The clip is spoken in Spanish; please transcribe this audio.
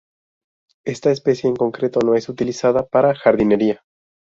Esta especie en concreto no es utilizada para jardinería.